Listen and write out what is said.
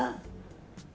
jadi menurut saya